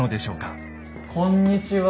こんにちは。